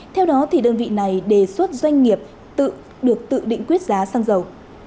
theo đó đơn vị này đề xuất doanh nghiệp tự được tự định quyết giá xăng dầu